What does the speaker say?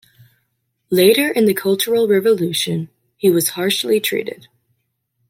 Later in the Cultural Revolution, he was harshly treated.